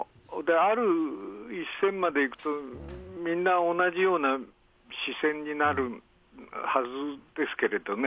ある一線までいくと、みんな同じような視線になるはずですけれどもね。